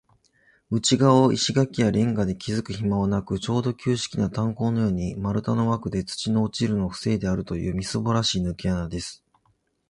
内がわを石がきやレンガできずくひまはなく、ちょうど旧式な炭坑のように、丸太のわくで、土の落ちるのをふせいであるという、みすぼらしいぬけ穴です。